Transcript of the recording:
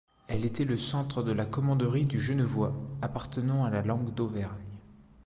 Elle était le centre de la commanderie du Genevois, appartenant à la langue d'Auvergne.